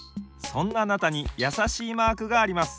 そんなあなたにやさしいマークがあります。